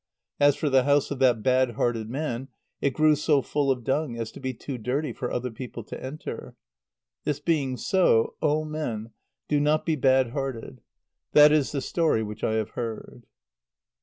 As for the house of that bad hearted man, it grew so full of dung as to be too dirty for other people to enter. This being so, oh! men, do not be bad hearted. That is the story which I have heard.